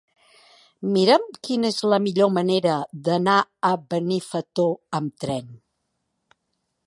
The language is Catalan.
Mira'm quina és la millor manera d'anar a Benifato amb tren.